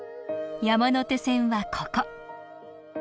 山手線はここ。